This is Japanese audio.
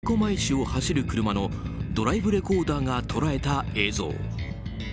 北海道苫小牧市を走る車のドライブレコーダーが捉えた映像。